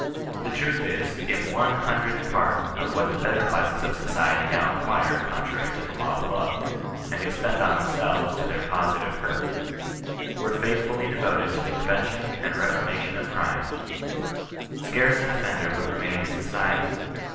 The truth is, if one hundredth part of what the better classes of society now acquire contrary to the law of love, and expend on themselves to their positiye hurt, were faithfully devoted to the prevention and reforma tion of crime, scarce an offender would remain in society.